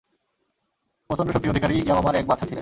প্রচণ্ড শক্তির অধিকারী ইয়ামামার এক বাদশাহ ছিলেন।